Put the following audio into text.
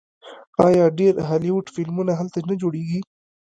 آیا ډیر هالیوډ فلمونه هلته نه جوړیږي؟